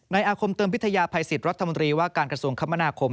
อาคมเติมพิทยาภัยสิทธิ์รัฐมนตรีว่าการกระทรวงคมนาคม